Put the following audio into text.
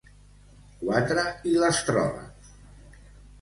Quatre i l'astròleg.